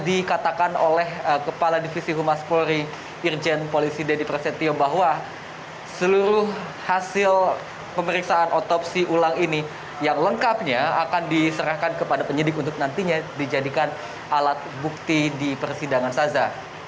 dikatakan oleh kepala divisi humas polri irjen polisi dedy prasetyo bahwa seluruh hasil pemeriksaan otopsi ulang ini yang lengkapnya akan diserahkan kepada penyidik untuk nantinya dijadikan alat bukti di persidangan saza